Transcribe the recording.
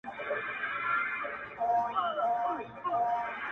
• دسبا د جنګ په تمه -